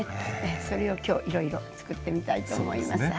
それを今日いろいろつくってみたいと思います。